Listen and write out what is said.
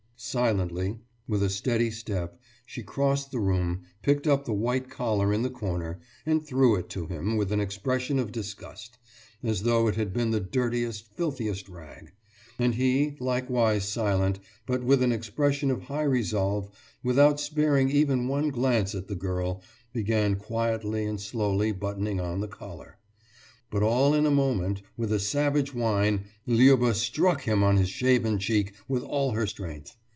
« Silently, with a steady step, she crossed the room, picked up the white collar in the corner, and threw it to him with an expression of disgust, as though it had been the dirtiest, filthiest rag. And he, likewise silent, but with an expression of high resolve, without sparing even one glance at the girl, began quietly and slowly buttoning on the collar; but all in a moment, with a savage whine, Liuba struck him on his shaven cheek, with all her strength.